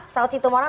saud situ morang